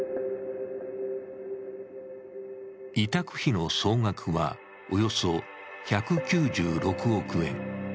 委託費の総額はおよそ１９６億円。